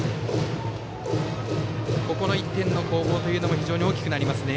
ここの１点の攻防というのも非常に大きくなりますね。